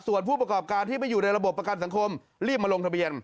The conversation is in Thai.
ส่วนผู้ประกอบการที่ไม่อยู่ในระบบประกันสังคมรีบมาลงทะเบียน